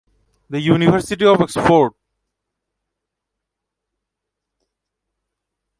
The university of Oxford.